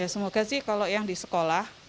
semoga sih kalau yang di sekolah